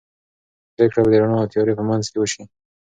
پرېکړه به د رڼا او تیارې په منځ کې وشي.